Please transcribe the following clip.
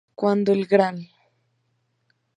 Cuando el Gral.